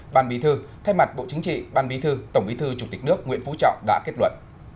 ban bí thư thay mặt bộ chính trị ban bí thư tổng bí thư chủ tịch nước nguyễn phú trọng đã kết luận